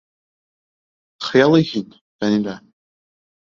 Хыялый һин, Фәнилә!